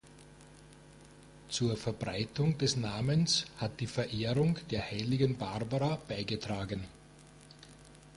Zur Verbreitung des Namens hat die Verehrung der heiligen Barbara beigetragen.